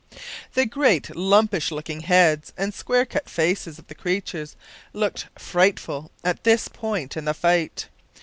The great lumpish looking heads and square cut faces of the creatures looked frightful at this point in the fight.